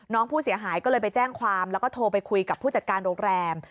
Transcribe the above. น้องผู้เสียหายก็เลยไปแจ้งความแล้วก็โทรไปคุยกับผู้จัดการโรงแรม